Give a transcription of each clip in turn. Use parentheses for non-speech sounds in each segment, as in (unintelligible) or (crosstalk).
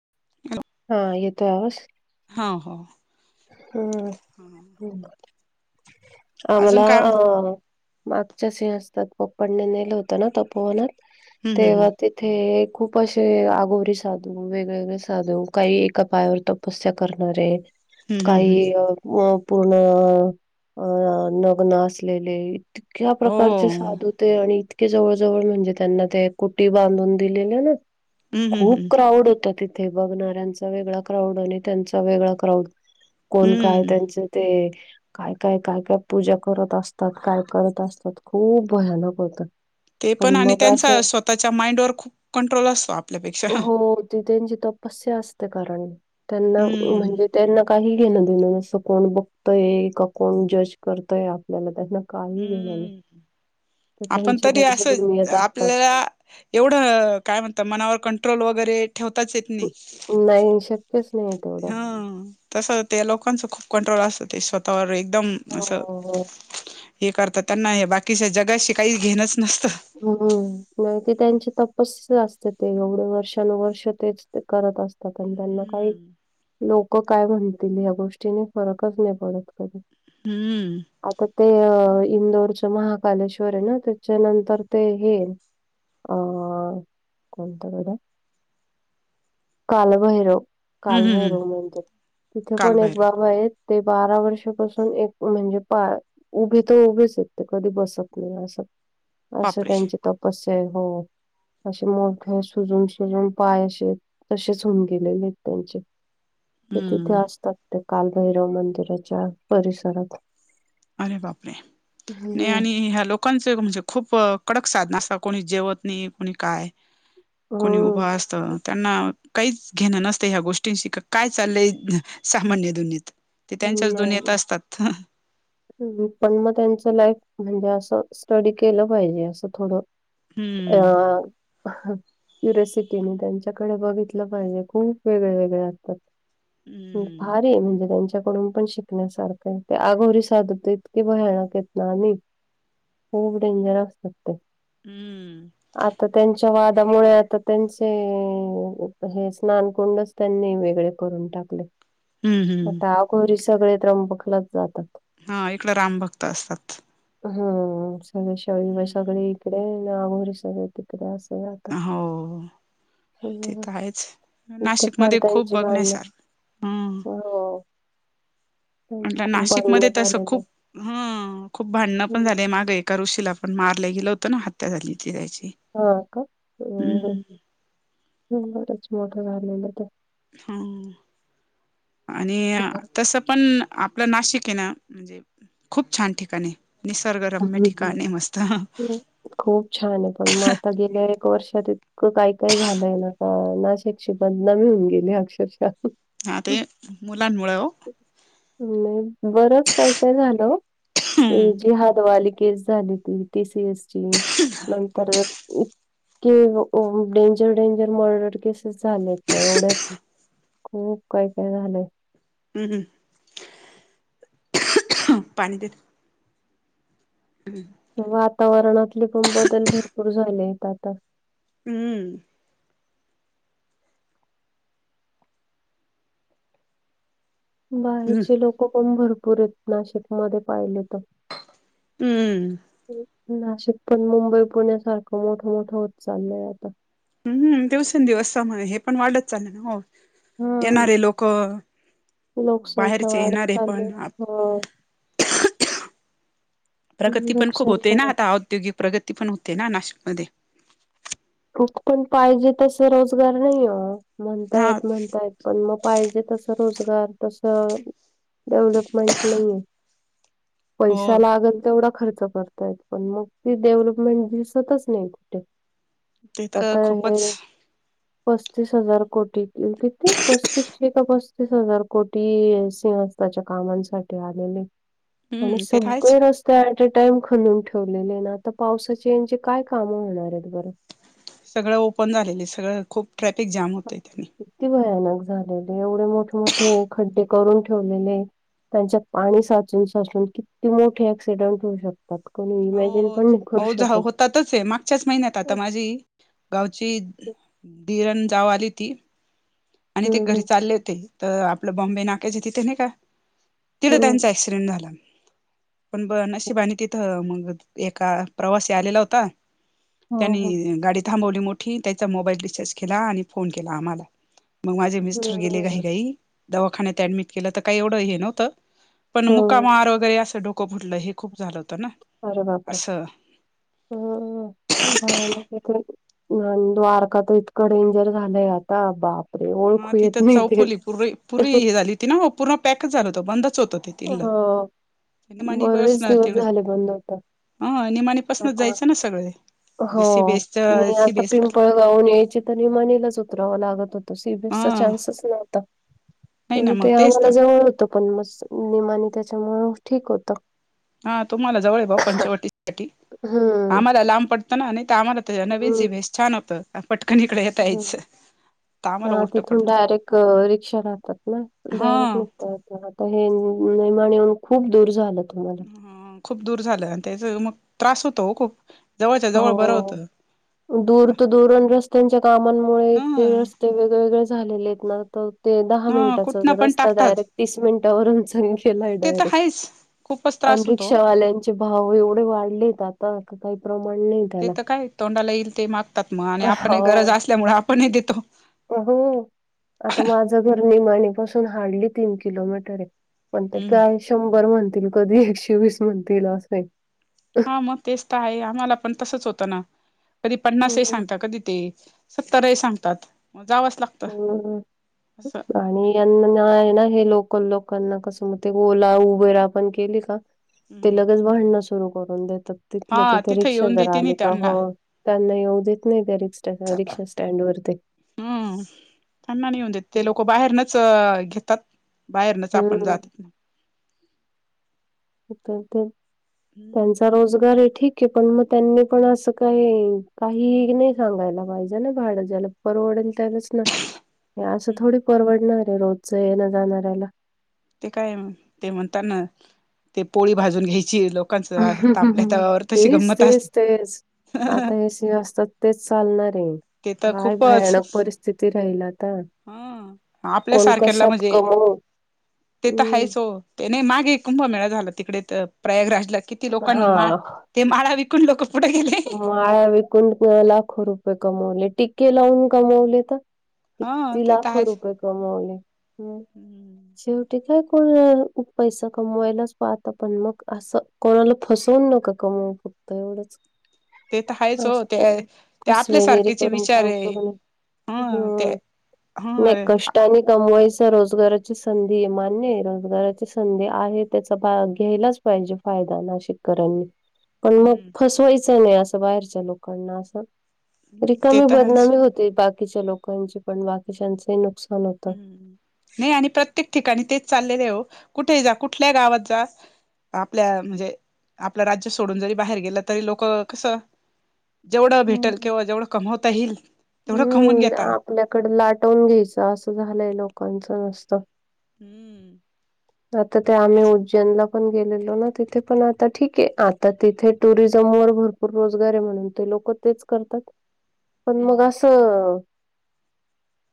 (unintelligible) हा येतोय आवाज. हा हा. हमम. हम्म आम्हाला अजून काय अ मागच्या सि असतात पप्पांने नेलं होतं ना तपोवनात. हम्म हम्म तेवा ते ते खूप असे आगघी साधू वेगळेवेेगळे साधू काही एका पायावर त तपस्या करणारे एक हम्म हम्म हम्म हम्म काही पूर्ण अ नग्न असलेले. इतक्या प्रकारचे हो साधू होते आणि जवळ जवळ म्हणजे त्यांना ते कुटी बांधून दिलेल्या ना हम्म हम्म खूप हम्म क्राउड होता तिथ ते बघणाऱ्यांचा वेगळा क्राऊड आणि त्यांचा वेगळा क्राउड कोण काय हम्म त्यांच ते काय काय काय काय पूजा करत असतात. काय करत असतात खूप भयानक होत. ते पण आणि त्यांचा स्वतःच्या माइंडवरर खूप कंट्रोल असतो आपल्यापेक्षा हा. हो त्यांची तपस्या असते कारण त्यांना हम्म म्हणजे त्यांना काही घेणं देण जसं कोण बघतय का कोण जज करतय आपल्याला त्यांना. काही घेणं नाही हम्म तर आपण त्यांच्या तरी त्यांच्या असं दुनियेत असतात आपल्याला एवढं काय म्हणत मनावर कंट्रोल वगैरे ठेवताच येत नाही. नाही शक्य. हा तस ते लोकांच खूप कंट्रोल असत ते स्वतः वर एकदम असं हो हे करता त्यांना हे बाकीच्या जगाशी काही घेणच नसतं हू नाही ते त्यांची तपस्या असते ते एवढे वर्षानुवर्ष तेच ते करत असते त्यांना काही हम्म लोक काय म्हणतील या गोष्टीने फरकच नाही पडत कधी हू आता ते इंदोरच महाकालेश्वर आहे ना त्याच्यानंतर ते हे अ कोणत बरं कालभैरव हम्म हम्म हम्म कालभैरव म्हणते तिथ पण एक कालभैरव बाबा आहेत ते बारा वर्षापासून एक म्हणजे पाय उभे तर उभेच आहेत ते कधी बसत नाही असं असं बापरे त्यांची तपस्या आहे हो असे मोठे सुजून सुजून पाय असे तसेच होऊन गेलेले आहेत त्यांचे ते तिथे हम्म असतात त्या कालभैरव मंदिराच्या परिसरात अरे बापरे नाही हं. आणि ह्यालोक लोकांचे म्हणजे खूप कडक साधना अस कोणी जेवत नाही कोणी काय कोणी उभं हम्म. असत त्यांना काहीच घेणं नसतं ह्या गोष्टींशी का काय चाललंय सामान्य दुनियेत ते त्यांच्याच दूनीयेत असतात ह हू पण मग त्यांचं लाईफ म्हणजे असं स्टडी केलं पाहिजे असं थोडं अ हं, रेस्कुने त्यांच्याकडे बघितलं पाहिजे खूप वेगळे वेगळे असतात हं, हं. भारीय म्हणजे त्यांच्याकडून पण शिकण्यासारखं आहे ते आगोरी असतात ते इतके भयानक आहेत ना आणि खूप डेंजर असतात ते हू आता त्यांच्या वादामुळे आता त्यांचे हे स्नान कुंडच त्यांनी वेगळे करून हं, टाकलेत हं. आता अघोरी सगळे त्रंबकलाच जातात हा इकड रामभक्त असतात हा सईविषा वैगरे हं. सगळे इकडे आणि अघोरी सगळे तिकडे असतात हो ते तर आहेच इथं नाशिक फार मध्ये खूप त्यांची बघण्या भांडणं सारख हो त्यांची म्हटलं खूप भांडण नाशिकमध्ये तसं खूप ह खूप भांडणं पण हम्म. झाले मागे एका ऋषीलापण मारलं गेलं होतं ना हत्या झाली होती त्याची हा का हू हम्म हू बरंच मोठं झालेलं ते हू आणि तस पण आपलं नाशिक आहे ना म्हणजे खूप छान ठिकाण आहे निसर्गरम्य हम्म. ठिकाणय मस्त हम्म. खूप छान आहे पण म आता गेल्या एक वर्ष इतकं काय काय झालंय ना का नाशिकची बदनामी होऊन गेली अक्षरशः हां ते मुलांमुळं ओ बरच काय काय झालं ओ ते हम्म जिहाद वाली केस झाली ती टीसीएस ची नंतर कि डेंजर डेंजर मर्डर केसेस झालेत नाही एवढ्यात खूप काय काय झालंय (unintelligible) हम्म (inaudible) वातावरणातले पण बदल भरपूर झाले आहेत आता. हम्म. हम्म बाहेरचे लोक पण भरपूर आहेत, नाशिकमध्ये पाहिले तर. हम्म. नाशिक पण मुंबई पुण्यासारखं मोठं मोठं होत चाललंय आता. हम्म दिवसेंदिवस मुळे हे पण वाढत चालेल ना हो. हम्म येणारे लोक, लोकसंख्या बाहेरचे वाढत येणारे चालली पण. हो. प्रगती पण खूप होते लोकसंख्या ना वाढ आता, औद्योगिक प्रगती पण होते ना नाशिकमध्ये. हो पण पाहिजे तस रोजगार नाही हो, म्हणता हा येत म्हणता येत. पण मग पाहिजे तस रोजगार, तसं डेव्हलपमेंट नाहीये. हो पैसा लागल तेवढा खर्च कर. पण मग ती डेव्हलपमेंट दिसतच नाही कुठ. ते तर आता (unintelligible) खूपच हे. पस्तीस हजार कोटी, क किती पस्तीसशे का पस्तीस हजार कोटी स तेचे कामांसाठी आलेले आणि हम्म ते आहेच सगळे रस्ते. ते ऍट अ टाइम खणून ठेवलेले ना, आता पावसाचे म्हजे काय काम होणार आहेत बरं. सगळं ओपन झालेले, सगळं खूप ट्रॅफिक जाम होतय त्यांनी. किती भयानक झालेले एवढे मोठे मोठे खड्डे करून ठेवलेले. त्यांच्यात पाणी साचून साचून किती मोठे ऍक्सिडंट होऊ शकते. त्यात कोणी इमॅजिन पण नाही करू शकत. त त आहे मागच्याच महिन्यात आता हम्म माझी गावची दिर जाऊ आली ती. आणि ते घरी हम्म. चालले होते, तर आपलं बॉम्बे ना क्याच्या तिथे नाही का? तिला हं, (unintelligible) खुण झाला. पण ब नशिबा ने आणि तिथं मग एका प्रवासी आलेला होता. हं, हं. त्यांनी गाडी थांबवली मोठी, त्याचा मोबाईल रिचार्ज केला आणि फोन केला आम्हाला. मग माझे मिस्टर गेले हं, घाईघाई, दवाखान्यात ऍडमिट केलं, तर काही एवढ हे नव्हतं. पण मुका हं. मार वगैरे असं, डोकं फुटलं, हे खूप झालं होतं ना. अरे बापरे! असं हम् भयानक येथे. अन द्वारका तर इतकं डेंजर झालंय आता बाप हा तिथं चौफुली पुरी पूरी हे झाली होती ना, हो पूर्ण पॅकच झालं होतं बंदच होतं त तिल्लं. हा बरेच दिवस झाले बंद होत. अ निमाणीपासूनच जायचं न सगळे ते सीबीएस च सीबीएस. हा पिंपळगांव ऊन यायची तरी मनीलाच उतरावं लागत होत. सीबीएस चा चान्सच नव्हता, नाही ना पण मग ते तेच आम्हाला तर जवळ होत. पण मस्त निमानी त्याच्यामुळे ठीक होतं. हा तुम्हाला जवळ पंचवटी साठी, हं, आम्हाला लांब पडतं ना, आम्हाला नवीन हं, सीबीएस छान होत. पटकन इकड येता हं. यायचं. तर आम्हाला हा उलटं तिथून पडतं डायरेक्ट रिक्षा राहतात ना, डायरेक्ट नी. हा तर आता हे निमानी ऊन खूप दूर झालं तुम्हाला. अ खूप दूर झालं, आणि त्याच मग त्रास होतो हो खूप. जवळच्या जवळ बरं हो होतं दुर तर दूर रस्त्यांच्या कामांमुळे इतके. ह ते वेगवेेगळे झालेले आहेत ना तर ते दहा ह मिनटाचा कुठनं पण रस्ता टाकतात डायरेक्ट तीस मिनिटावरून च गेलाय ते तर डायरेक्ट. आहेच खूपच अन त्रास होतो रिक्षावाल्यांचे भाव एवढे वाढलेत आता, काही प्रमाण नाही. ते त्याला. तर काय, तोंडाला येईल ते मागतात मग, आणि आपण ही गरज हो. असल्यामुळं आपणही देतो. हो, आता माझं घर निमाणी पाासून हार्डली तीन किलोमीटर आहे. पण ते हम्म काय शंभर म्हणतील कधी, एकशे विस म्हणतील असंय. हा मग तेच तर आहे, आम्हाला पण तसंच होतं ना, कधी पन्नासही हम्म सांगता कधी ते सत्तरही सांगतात, मग जावंच लाग हम्म हम्म आणि यांना आहे ना हे, लोकल लोकांना कसं मग ते ओला उबेर आपण केली का ते हम्म लगेच भांडणं सुरु करून देतात, तिथल्या हा तिथे तिथं रिक्षा येऊन जरा देते नि आले का त्यांना हं. त्यांना येऊ देत नाही त्या रि ट्या रिक्षा स्टँड वर ते. हम्म, त्यांना नाई ईऊन देत ते लोकं बाहेरनच घेतात. बाहेरनच आपण हम्म जात तर त्यांचा रोजगार हि ठीक पण मग त्यांनी पण असं, काहीही नाही सांगायला पाहिजे ना भाडं, ज्याला परवडेल त्यालाच ना, हे असं थोडी परवडणार आहे रोजचं येणं जाणाऱ्याला. ते काय, ते म्हणता ना, ते पोळी भाजून घ्यायची लोक तेच तेच असते तेच, आता हेच हे असतात तेच चालणार हे, ते तर काय भयानक परिस्थिती राहील आता. हम्म, आपल्या कोण सारख्याला कशात म्हणजे, कमवू ते तर हं, हायच हो. ते नाही मागे एक कुंभमेळा झाला, तिकडे प्रयागराजला, किती लोकांनी माळ हां. ते माळा विकून लोकं पुढे गेले माळ्या विकून लाखो रुपये कमवले, टिक्के लावून कमवले त. ह किती ते तर लाखो आहेच रुपय कमवले,, मग. शेवटी काय कोण पैसा कमवायलाच पाहतं पण मग असं कोणाला फसवून नका कमवू फक्त एवढच. ते तर आहेच हो असतात, ते ते फसवेगिरी आपल्यासारखेचे करून विचार पोट आहे भरून ह ते हम्म. ह नाई कष्टानी कमवायचं रोजगाराची संधीये, मान्य आहे रोजगाराची संधी आहे, त्याचा भाग घ्यायलाच पाहिजे फायदा नाशिक करांनी. पण मग, हम्म फसवायचं नाही असं बाहेरच्या लोकांना असं हम्म ते रिकामी तर आहेच बदनामी होते बाकीच्या लोकांची पण, बाकीच्यांचही नुकसान होतं. हम्म, नाही आणि प्रत्येक ठिकाणी तेच चाललेले आहे हो, कुठे हि जा कुठल्या गावात जा आपल्या म्हणजे, आपलं राज्य सोडून जरी बाहेर गेलं तरी लोकं कसं जेवढं भेटल, हम्म. किंवा जेवढं कमवता येईल तेवढं कमवून हम्म, घेता आपल्याकड लाटवून घ्यायचं असं झालंय लोकांचं नुसतं. हम्म. आता ते तर आम्ही आहेच जन ला पण गेलेलो ना, तिथे पण आता ठीके, आता तिथे टुरिझम वर भर रोजगार आहे म्हणून ते लोकं तेच करतात. (inaudible) पण मग असं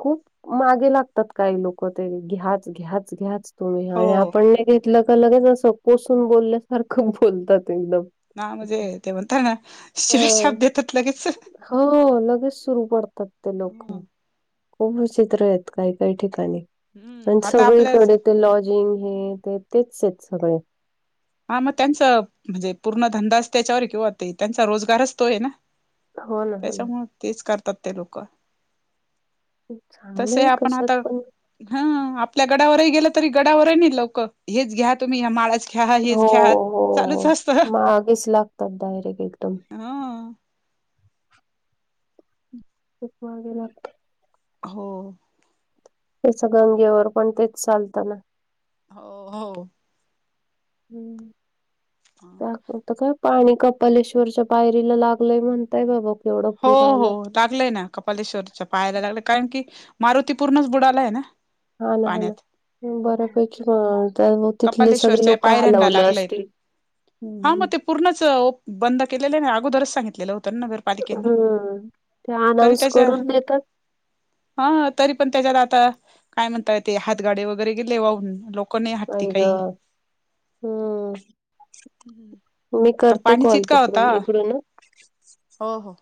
खूप मागे लागतात काही लोकं ते, घ्याच घ्याच घ्याच. ह्या, ह्या हो आणि हो आपण नाही घेतलं का लगेच असं कोसून बोलल्यासारखं बोलतात एकदम. ना म्हणजे ते म्हणताात ना हां. शिव्याश्याप देतात लगेच. हो लगेच सुरू करतात ते लोकं हं. खूप विचित्र येतकाही काही ठिकाणी आन हम्म आता आपल्या सगळीकडे... ते लॉजिंग हे ते तेचेत सगळे हा मग त्यांच म्हणजे पूर्ण धंदा त्याच्यावर किंवा ते त्यांचा रोजगारच तो ये ना. हो ना, हो त्याच्या ना. मूळ तेच करतात ते लोक चांगलं तसय आहे आपण कशात आता पण हं आपल्या गडावरही गेलं तरी गडावरही नाही लोक हेच घ्या तुम्ही ह माळाच ख्या हेच हो घ्या हो चालूच हो असत ह मागेच लागतात डायरेक्ट एकदम हं खूप मागे लागते हो येच गंगेवर पण तेच चालतं ना हो हो ट आता काय पाणी कपालेश्वरच्या पायरीला लागलंय म्हणताय बाबा. केवढा हो पूर हो आलाय. लागलंय ना कपालेश्वरच्या पायाला लागलं कारण की मारुती पूर्णच बुडाला य ना हा ना हा ना पाण्यात बऱ्या पैकी हम हं त्यामुळे तिथले सगळे कपालेश्वरच्या लोक पायऱ्यांना हालावले लागलंय असतील ह हा मग त्या.. ते पूर्णच ओप बंद केलेले हाय न अगोदरच सांगितलेलं होतं नगर हम्म ते अनाऊन्स करून देतात. हा हा तरी पण त्याच्यात आता काय म्हणताय ते हात गाडे वगैरे गेले वाहून लोकांनी आ आई ग हम मी आता करते पाणीच कॉल इतका तिकडून होता इकडून हो हो